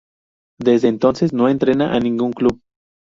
Desde entonces no entrena a ningún club.